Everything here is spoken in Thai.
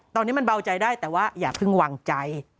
ตอนนี้มันเบาใจได้แต่ว่าอย่าเพิ่งวางใจ